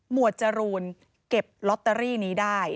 วดจรูนเก็บลอตเตอรี่นี้ได้